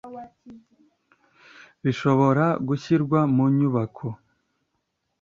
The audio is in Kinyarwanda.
Rishobora gushyirwa mu nyubako